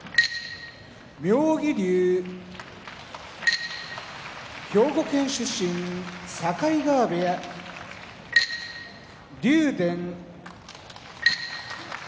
妙義龍兵庫県出身境川部屋竜電山梨県出身